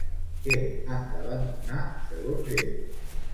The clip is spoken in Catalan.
Què han d'abandonar, segons ell?